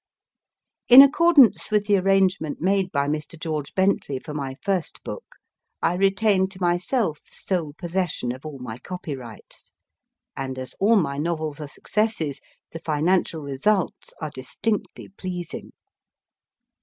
In accord ance with the arrangement made by Mr. George Bentley for my first book, I retain to myself sole possession of all my copyrights, and as all my novels are successes, the financial ^results are distinctly pleasing.